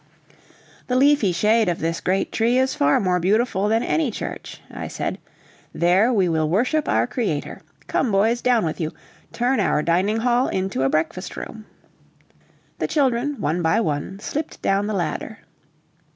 "The leafy shade of this great tree is far more beautiful than any church," I said; "there will we worship our Creator. Come, boys, down with you: turn our dining hall into a breakfast room." The children, one by one, slipped down the ladder.